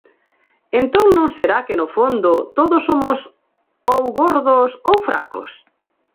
Entón non será que no fondo todos somos ou gordos ou fracos?